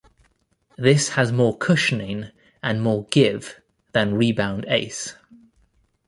This has more cushioning and more "give" than Rebound Ace.